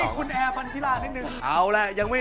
เขี้ยโอกาสทำไม